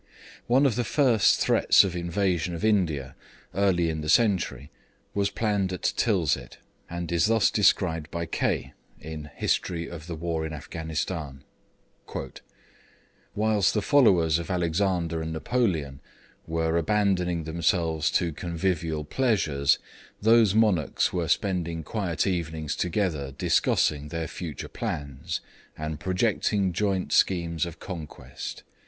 One of the first threats of invasion of India early in the century was planned at Tilsit, and is thus described by Kaye:[Footnote: History of the War in Afghanistan] 'Whilst the followers of Alexander and Napoleon were abandoning themselves to convivial pleasures, those monarchs were spending quiet evenings together discussing their future plans, and projecting joint schemes of conquest.